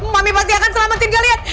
mami pasti akan selamatin kalian